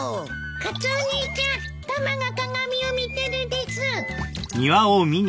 カツオ兄ちゃんタマが鏡を見てるです！